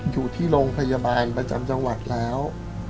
อยู่ที่โรงพยาบาลประจำจังหวัดแล้ว